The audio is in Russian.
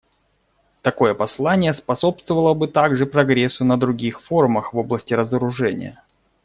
Такое послание способствовало бы также прогрессу на других форумах в области разоружения.